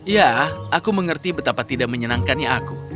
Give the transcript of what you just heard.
ya aku mengerti betapa tidak menyenangkan itu